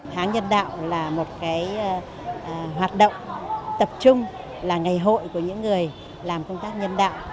tháng nhân đạo là một hoạt động tập trung là ngày hội của những người làm công tác nhân đạo